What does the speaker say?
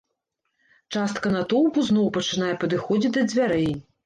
Частка натоўпу зноў пачынае падыходзіць да дзвярэй.